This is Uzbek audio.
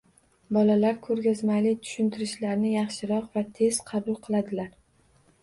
Bolalar ko‘rgazmali tushuntirishlarni yaxshiroq va tezroq qabul qiladilar.